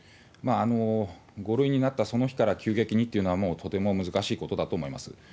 ５類になったその日から急激にというのは、もうとても難しいことだと思います。